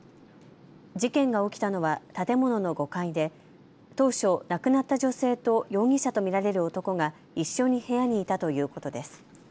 事件が起きたのは建物の５階で当初、亡くなった女性と容疑者と見られる男が一緒に部屋にいたということです。